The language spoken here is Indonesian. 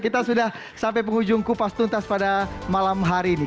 kita sudah sampai penghujung kupas tuntas pada malam hari ini